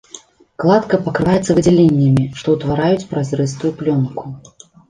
Кладка пакрываецца выдзяленнямі, што ўтвараюць празрыстую плёнку.